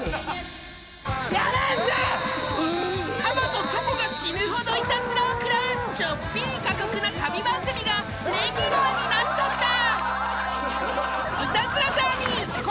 ［かまとチョコが死ぬほどイタズラを食らうちょっぴり過酷な旅番組がレギュラーになっちゃった！］